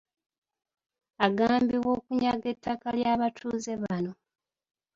Agambibwa okunyaga ettaka ly’abatuuze bano.